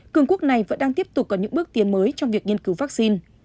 cường quốc này vẫn đang tiếp tục có những bước tiến mới trong việc nghiên cứu vaccine